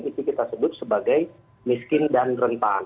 itu kita sebut sebagai miskin dan rentan